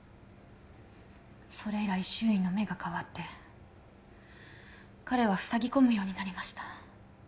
それ以来周囲の目が変わって彼はふさぎ込むようになりました